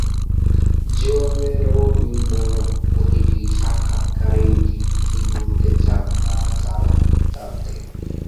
Geronimo প্রতিটি সাক্ষাৎকারেই ঠিক কী বলতে চান তা জানতেন।